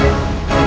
aku sudah menang